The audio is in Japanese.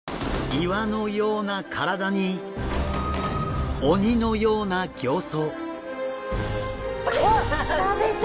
岩のような体に鬼のような形相。